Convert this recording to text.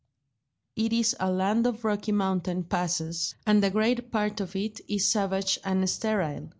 It is a land of rocky mountain passes, and a great part of it is savage and sterile.